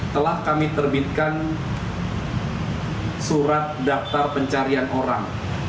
telah kami terbitkan surat daftar pencarian orang